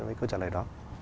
với câu trả lời đó